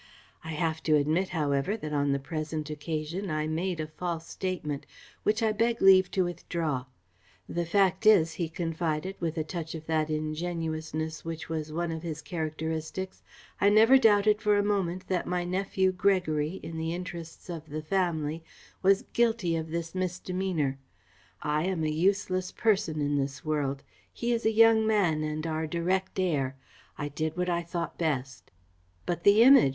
I have to admit, however, that on the present occasion I made a false statement, which I beg leave to withdraw. The fact is," he confided, with a touch of that ingenuousness which was one of his characteristics, "I never doubted for a moment that my nephew Gregory, in the interests of the family, was guilty of this misdemeanour. I am a useless person in this world. He is a young man and our direct heir. I did what I thought best." "But the Image?"